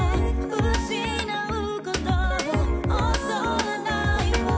「失うことを恐れないわ」